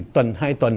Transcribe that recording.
tuần hai tuần